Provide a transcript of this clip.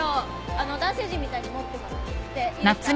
あの男性陣みたいに持ってもらっていいですか？